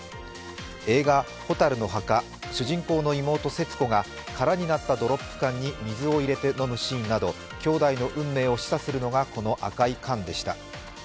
映画「火垂るの墓」、主人公の妹・節子が空になったドロップ缶に水を入れて飲むシーンなど兄弟の運命を示唆したのがこの赤い缶でした。